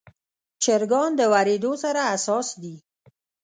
چرګان د وریدو سره حساس دي.